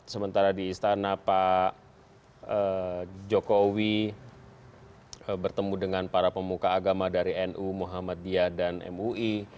sementara di istana pak jokowi bertemu dengan para pemuka agama dari nu muhammadiyah dan mui